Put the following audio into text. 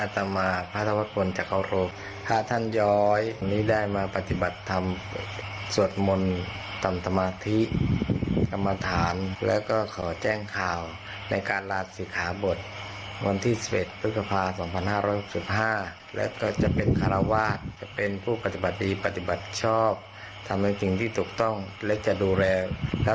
ทำอย่างจริงที่ถูกต้องและจะดูแลรักษาปกป้องพระพุทธศาสนา